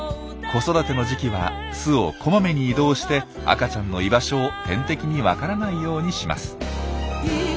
子育ての時期は巣をこまめに移動して赤ちゃんの居場所を天敵に分からないようにします。